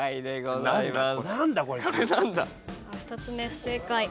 ２つ目不正解。